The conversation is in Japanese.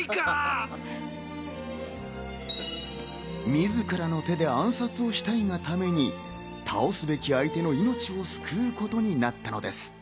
自らの手で暗殺をしたいがために、倒すべき相手の命を救うことになったのです。